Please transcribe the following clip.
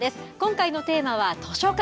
今回のテーマは図書館。